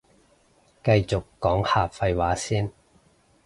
繼續講下廢話先